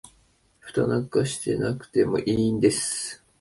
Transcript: フタなんてしなくてもいいんです